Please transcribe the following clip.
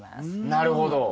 なるほど。